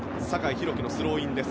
酒井宏樹のスローイン。